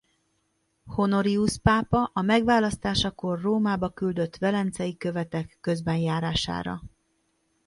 Honorius pápa a megválasztásakor Rómába küldött Velencei követek közbenjárására.